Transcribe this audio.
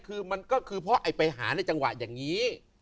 คือมันก็คือเพราะไอ้ไปหาในจังหวะอย่างนี้